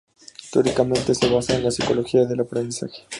Teóricamente, se basa en la psicología del aprendizaje.